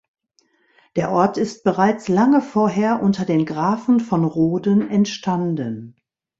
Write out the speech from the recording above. Der Ort ist bereits lange vorher unter den Grafen von Roden entstanden.